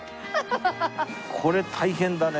これ大変だね